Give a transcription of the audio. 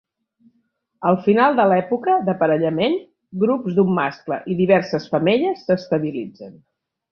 Al final de l'època d'aparellament, grups d'un mascle i diverses femelles s'estabilitzen.